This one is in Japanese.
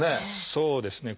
そうですね。